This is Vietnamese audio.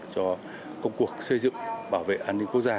cho công cuộc xây dựng bảo vệ an ninh quốc gia